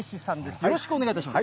よろしくお願いします。